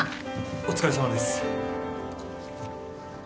お疲れさまです